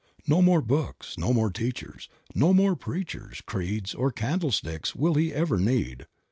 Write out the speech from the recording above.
No more books, no more teachers, no more preachers, creeds or candlesticks will he ever need.